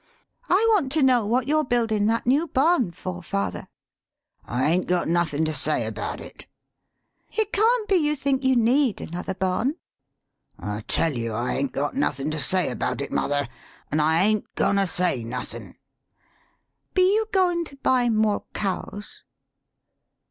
"I want to know what you're buildin' that new barn for, father?" " I 'ain't got nothin' to say about it." "It can't be you think you need another barn?" " I tell ye I 'ain't got nothin' to say about it, mother; an' I ain't goin' to say nothin'." " Be you goin' to buy more cows?"